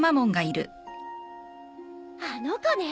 あの子ね。